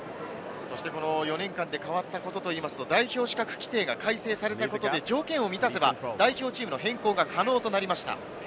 この４年間で変わったことといいますと代表資格規定が改正されたことで、条件を満たせば代表チームの変更が可能となりました。